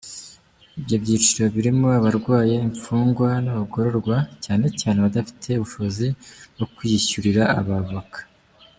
Ibyo byiciro birimo abarwaye, imfungwa n’abagororwa, cyane cyane abadafite ubushobozi bwo kwiyishyurira abavoka.